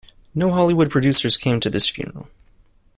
No Hollywood producers came to his funeral.